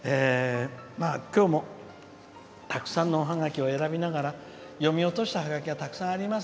きょうもたくさんのおハガキを選びながら読み落としたハガキはたくさんあります。